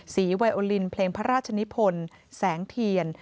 ไวโอลินเพลงพระราชนิพลแสงเทียน